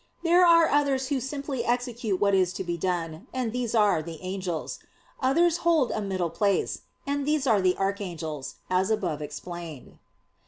There are others who simply execute what is to be done; and these are the "Angels." Others hold a middle place; and these are the "Archangels," as above explained.